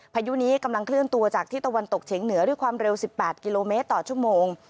พายุนี้กำลังเคลื่อนตัวจากที่ตะวันตกเฉียงเหนือด้วยความเร็ว๑๘กิโลเมตรต่อชั่วโมง